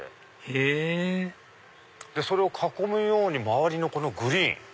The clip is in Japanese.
へぇそれを囲むように周りのグリーン。